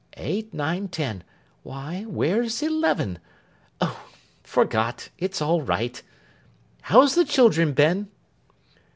Eight, nine, ten. Why, where's eleven? Oh I forgot, it's all right. How's the children, Ben?